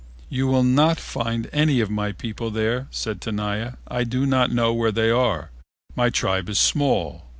"You will not find any of my people there," said Tenaya; "I do not know where they are. My tribe is small.